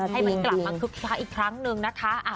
ให้มันกลับมาคึกคล้าอีกครั้งหนึ่งนะคะ